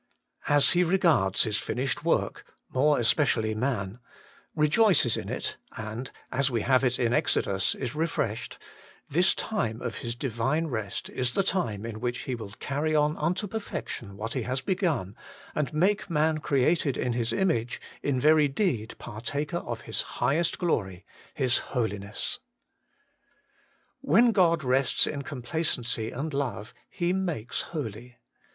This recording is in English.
As He regards His finished work, more especially man, rejoices in it, and, as we have it in Exodus, ' is refreshed,' this time of His Divine rest is the time in which He will carry on unto perfection what He has begun, and make man, created in His image, in very deed partaker of His highest glory, His Holiness. Where God rests in complacency and love, He makes fwly.